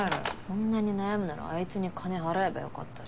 そんなに悩むならあいつに金払えばよかったじゃん。